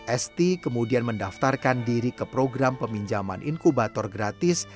esti kemudian mendaftarkan diri ke program peminjaman inkubator gratis